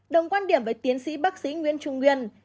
đồng quan điểm với tiến sĩ bác sĩ nguyễn nguyễn là